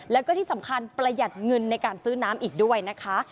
แล้วก็ที่สำคัญประหยัดเงินในการซื้อน้ำอีกด้วยนะคะ